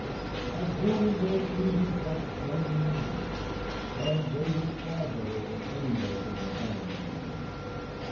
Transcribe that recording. I grew in those seasons like corn in the night, and they were far better than any work of the hands would have been.